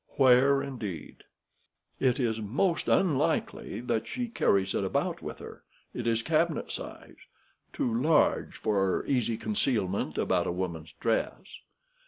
"Where, indeed?" "It is most unlikely that she carries it about with her. It is cabinet size. Too large for easy concealment about a woman's dress.